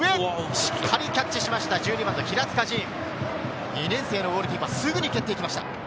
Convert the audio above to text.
しっかりキャッチしました、平塚仁、２年生のゴールキーパー、すぐに蹴って行きました。